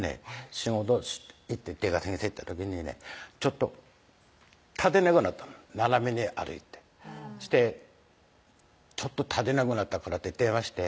仕事行ってて出稼ぎさ行った時にねちょっと立てなくなったの斜めに歩いてそして「ちょっと立てなくなったから」って電話して